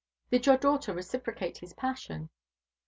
"Did your daughter reciprocate his passion?"